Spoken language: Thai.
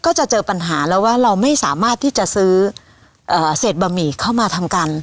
ก็จะเจอปัญหาแล้วว่าเราไม่สามารถที่จะซื้อเศษบะหมี่เข้ามาทำกัน